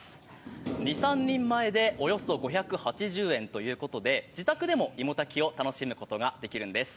２３人前でおよそ５８０円ということで自宅でもいも炊きを楽しむことができるんです